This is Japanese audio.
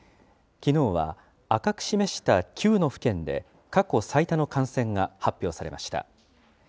きのうは赤く示した９の府県で、過去最多の感染が発表されました。